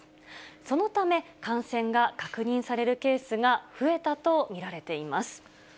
そのため、感染が確認されるケースが増えたと見られています。